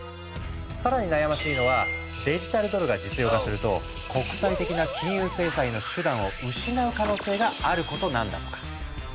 更に悩ましいのはデジタルドルが実用化すると国際的な金融制裁の手段を失う可能性があることなんだとか。